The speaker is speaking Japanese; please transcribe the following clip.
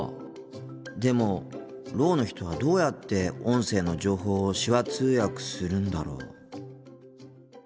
でもろうの人はどうやって音声の情報を手話通訳するんだろう。